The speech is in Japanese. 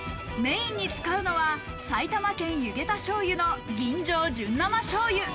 メインに使うのは埼玉県、弓削多醤油の吟醸純生しょうゆ。